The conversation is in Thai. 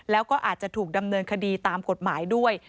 แล้วก็อาจจะถูกดำเนินคดีตามกฎหมายด้วย